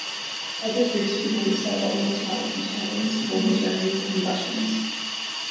Other groups began to settle in the town: Italians, Volga Germans, and Russians.